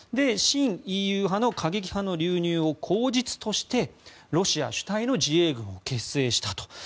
親ＥＵ派の過激派の流入を口実としてロシア主体の自衛軍を結成したと。